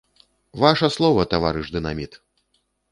Ваша слова, таварыш дынаміт!